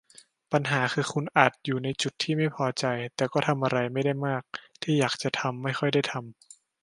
ปัญหาคือคุณอาจอยู่ในจุดที่ไม่พอใจ แต่ก็ทำอะไรไม่ได้มาก ที่อยากทำจะไม่ค่อยได้ทำ